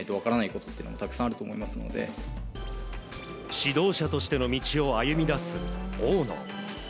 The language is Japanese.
指導者としての道を歩み出す大野。